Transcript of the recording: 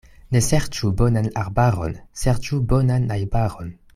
Ne serĉu bonan arbaron, serĉu bonan najbaron.